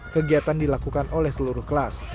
kegiatan dilakukan oleh seluruh kelas